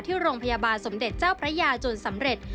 ที่โรงพยาบาลสมเด็จเจ้าพระยาจนสำเร็จ